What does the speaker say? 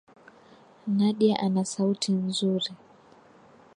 Nadia ana sauti nzuri.